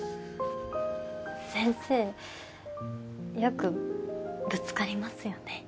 先生よくぶつかりますよね。